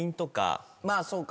まあそうか。